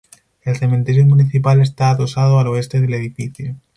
El cementerio municipal está adosado al oeste del edificio.